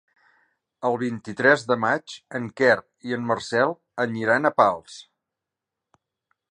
El vint-i-tres de maig en Quer i en Marcel aniran a Pals.